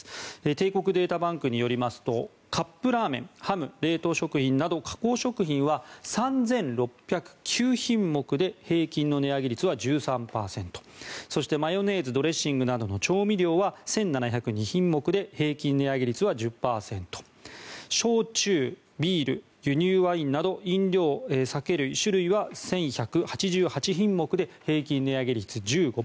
帝国データバンクによりますとカップラーメン、ハム冷凍食品など加工食品は３６０９品目で平均値上げ率は１３％そしてマヨネーズドレッシングなどの調味料は１７０２品目で平均値上げ率は１０％焼酎、ビール、輸入ワインなど飲料、酒類は１１８８品目で平均値上げ率１５％